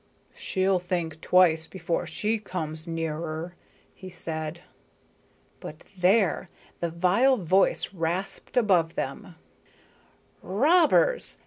"She'll think twice before she comes nearer," he said. But there! The vile voice rasped above them: "Robbers!